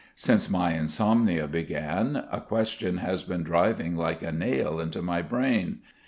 Since my insomnia began a question has been driving like a nail into my brain.